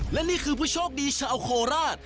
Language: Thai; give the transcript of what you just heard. และนี่คือผู้โชคดีชาวโคราช